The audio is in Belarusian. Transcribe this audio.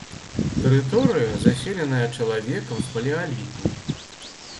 Тэрыторыя заселеная чалавекам з палеаліту.